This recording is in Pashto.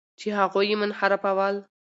چې هغوی یې منحرفول.